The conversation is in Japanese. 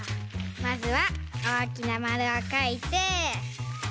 まずはおおきなまるをかいて。